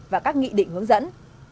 và các nghị định hướng dẫn